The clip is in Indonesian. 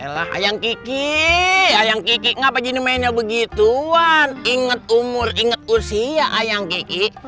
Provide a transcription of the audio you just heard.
yalah ayam kiki ayam kiki kenapa gini mainnya begituan inget umur inget usia ayam kiki